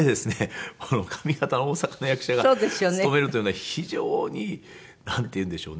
上方の大阪の役者が勤めるというのは非常になんていうんでしょうね